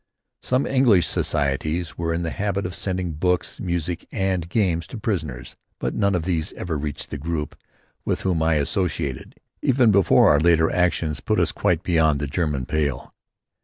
Some English societies were in the habit of sending books, music and games to the prisoners but none of these ever reached the group with whom I associated, even before our later actions put us quite beyond the German pale.